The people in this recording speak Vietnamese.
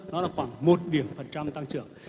nó là khoảng một điểm phần trăm tăng trưởng